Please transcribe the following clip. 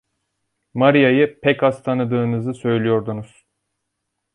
Maria'yı pek az tanıdığınızı söylüyordunuz!